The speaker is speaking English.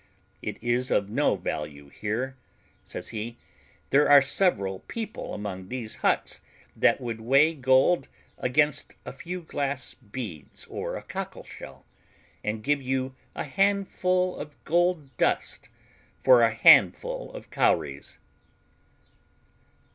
It is of no value here," says he; "there are several people among these huts that would weigh gold against a few glass beads or a cockle shell, and give you a handful of gold dust for a handful of cowries."